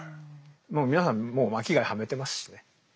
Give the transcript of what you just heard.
もう皆さんもう巻貝はめてますしね。